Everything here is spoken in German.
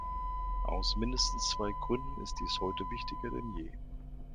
Aus mindestens zwei Gründen ist dies heute wichtiger denn je.